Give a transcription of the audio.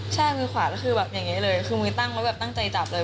ใช่มือขวาก็คือแบบอย่างนี้เลยคือมือตั้งแล้วแบบตั้งใจจับเลย